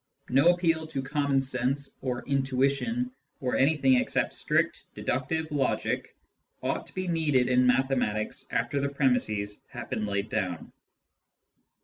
/^No appeal to common sense, or " intuition," or anything except strict deductive logic, ought to be needed in mathematics after the premisses have been laid down.